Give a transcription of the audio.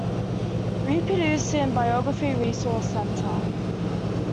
Reproduced in Biography Resource Center.